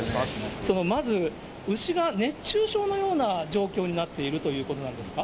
まず牛が熱中症のような状況になっているということなんですか。